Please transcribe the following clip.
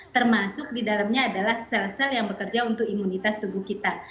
termasuk di dalamnya adalah sel sel yang bekerja untuk imunitas tubuh kita